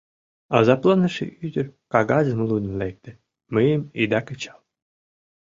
Азапланыше ӱдыр кагазым лудын лекте: «Мыйым ида кычал.